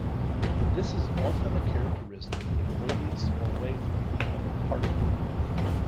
This is often a characteristic radius or wavelength of a particle.